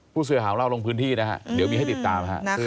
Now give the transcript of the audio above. ผู้เสียหาว่าเล่าลงพื้นที่นะคะเดี๋ยวมีให้ติดตามค่ะ